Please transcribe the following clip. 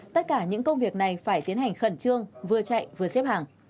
tất cả những công việc này phải tiến hành khẩn trương vừa chạy vừa xếp hàng